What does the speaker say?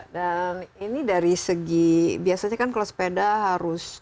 dan ini dari segi biasanya kan kalau sepeda harus tahan